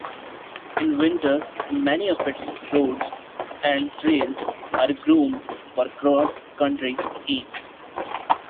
In winter, many of its roads and trails are groomed for cross country skiing.